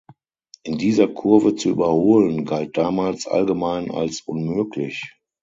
In dieser Kurve zu überholen, galt damals allgemein als unmöglich.